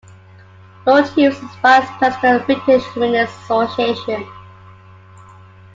Lord Hughes is a Vice-President of the British Humanist Association.